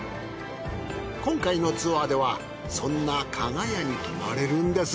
今回のツアーではそんな加賀屋に泊まれるんです。